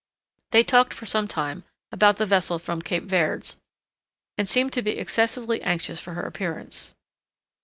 They talked for some time about the vessel from the Cape Verds, and seemed to be excessively anxious for her appearance.